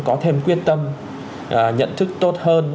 có thêm quyết tâm nhận thức tốt hơn